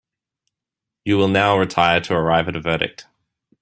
You will now retire to arrive at a verdict.